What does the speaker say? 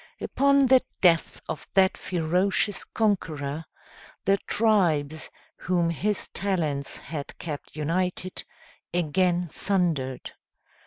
Upon the death of that ferocious conqueror, the tribes whom his talents had kept united, again sundered.